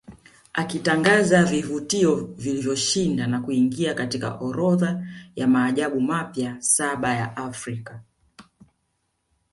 Akitangaza vivutio vilivyoshinda na kuingia katika orodha ya maajabu mapya saba ya Afrika